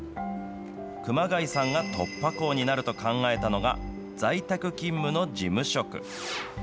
熊谷さんが突破口になると考えたのが、在宅勤務の事務職。